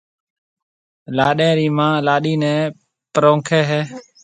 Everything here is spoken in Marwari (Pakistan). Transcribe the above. لاڏَي رِي مان لاڏِي نيَ پرونکيَ ھيََََ